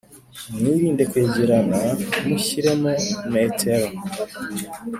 Mwirinde kwegerana mushyiremo metero